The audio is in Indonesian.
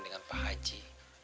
dengan pak haji